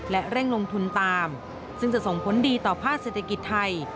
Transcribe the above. และเร่งลงทุนตามซึ่งจะส่งผลดีต่อภาคเศรษฐกิจไทย